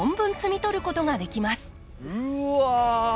うわ！